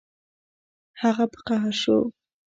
هغه په قهر شو